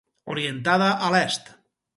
Orientada a l'Est.